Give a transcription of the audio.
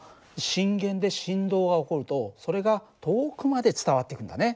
震源で振動が起こるとそれが遠くまで伝わっていくんだね。